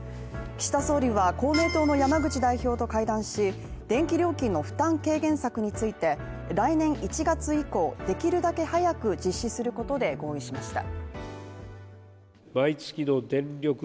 岸田総理は、公明党の山口代表と会談し電気料金の負担軽減策について来年１月以降できるだけ早く実施することで合意しました。